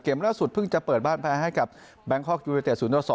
เกมล่าสุดเพิ่งจะเปิดบ้านแพ้ให้กับแบงค์คอร์กยูเวอร์เตะ๐๒